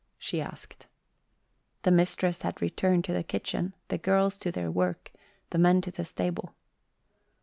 she asked. The mistress had returned to the kitchen, the girls to their work, the men to the stable.